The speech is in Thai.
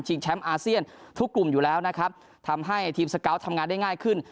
แชมป์อาเซียนทุกกลุ่มอยู่แล้วนะครับทำให้ทีมสเกาะทำงานได้ง่ายขึ้น